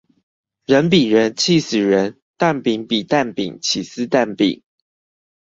人比人氣死人，蛋餅比蛋餅起司蛋餅